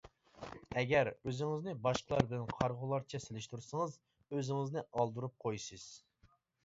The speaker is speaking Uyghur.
ئەگەر ئۆزىڭىزنى باشقىلار بىلەن قارىغۇلارچە سېلىشتۇرسىڭىز، «ئۆزىڭىزنى ئالدۇرۇپ قويىسىز» .